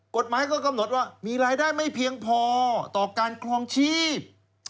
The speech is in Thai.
กฎหมายก็กำหนดว่ามีรายได้ไม่เพียงพอต่อการครองชีพ